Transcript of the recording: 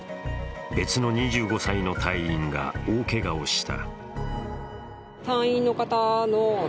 別の２５歳の隊員が大けがをした。